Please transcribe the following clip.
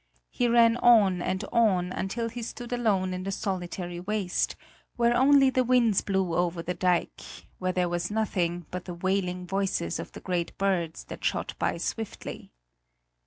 He ran on and on, until he stood alone in the solitary waste, where only the winds blew over the dike where there was nothing but the wailing voices of the great birds that shot by swiftly.